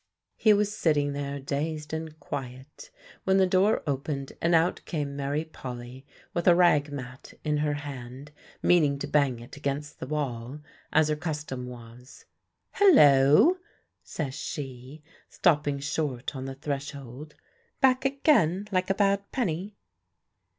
He was sitting there, dazed and quiet, when the door opened and out came Mary Polly with a rag mat in her hand, meaning to bang it against the wall, as her custom was. "Hullo!" says she, stopping short on the threshold. "Back again, like a bad penny?"